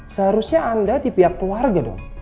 seharusnya anda di pihak keluarga dong